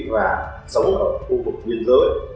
và sống ở khu vực biên giới